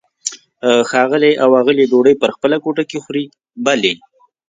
ښاغلی او آغلې ډوډۍ په خپله کوټه کې خوري؟ بلې.